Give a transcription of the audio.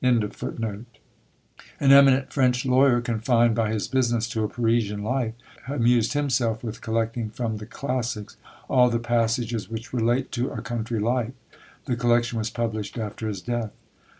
" An eminent French lawyer, confined by his business to a Parisian life, amused himself with collecting from the classics all the passages which relate to a country life. The collection was published after his death.